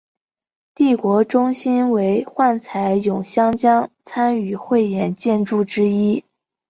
帝国中心为幻彩咏香江参与汇演建筑物之一。